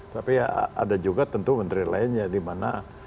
tapi ya ada juga tentu menteri lainnya dimana